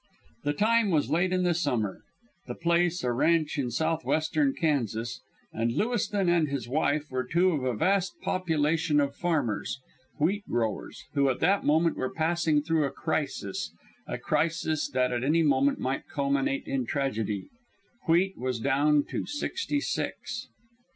The time was late in the summer, the place a ranch in southwestern Kansas, and Lewiston and his wife were two of a vast population of farmers, wheat growers, who at that moment were passing through a crisis a crisis that at any moment might culminate in tragedy. Wheat was down to sixty six.